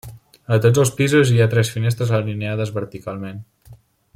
A tots els pisos hi ha tres finestres alineades verticalment.